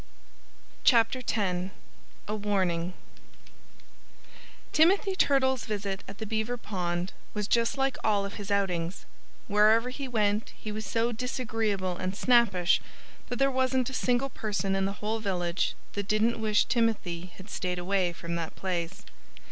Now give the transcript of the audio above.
X A WARNING Timothy Turtle's visit at the beaver pond was just like all of his outings. Wherever he went he was so disagreeable and snappish that there wasn't a single person in the whole village that didn't wish Timothy had stayed away from that place.